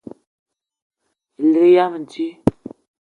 Elig yam dji